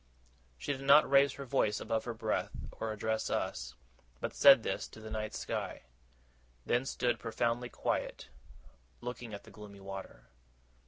She did not raise her voice above her breath, or address us, but said this to the night sky; then stood profoundly quiet, looking at the gloomy water.